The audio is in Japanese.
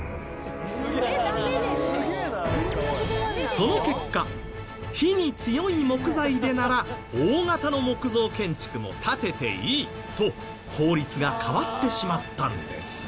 その結果火に強い木材でなら大型の木造建築も建てていいと法律が変わってしまったんです。